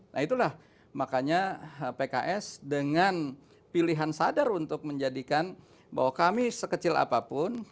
nah itulah makanya pks dengan pilihan sadar untuk menjadikan bahwa kami sekecil apapun